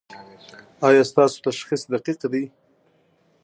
ایا ستاسو تشخیص دقیق دی؟